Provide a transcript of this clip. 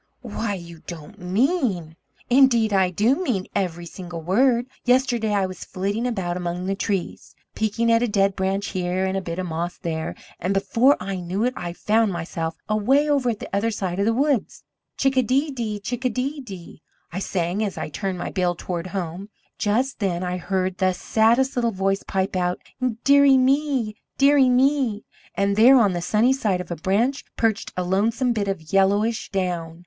"Why, you don't mean " "Indeed I do mean it, every single word. Yesterday I was flitting about among the trees, peeking at a dead branch here, and a bit of moss there, and before I knew it I found myself away over at the other side of the woods! 'Chickadee dee dee, chickadee dee dee!' I sang, as I turned my bill toward home. Just then I heard the saddest little voice pipe out: 'Dear ie me! Dear ie me!' and there on the sunny side of a branch perched a lonesome bit of yellowish down.